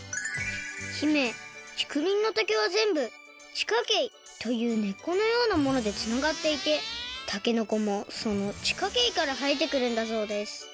姫ちくりんの竹は全部地下茎という根っこのようなものでつながっていてたけのこもその地下茎からはえてくるんだそうです